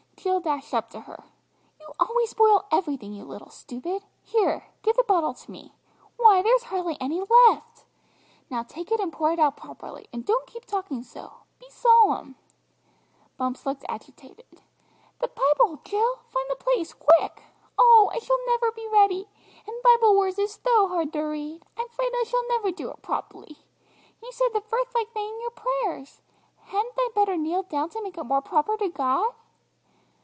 Jill dashed up to her. "You always spoil everything, you little stupid! Here! give the bottle to me, why, there's hardly any left! Now take it and pour it out properly, and don't keep talking so; be solemn!" Bumps looked agitated. "The Bible, Jill! Find the place quick! Oh, I shall never be ready! And Bible words is so hard to read. I'm 'fraid I shall never do it prop'ly. And you said the verth like thaying your prayers. Hadn't I better kneel down to make it more proper to God?"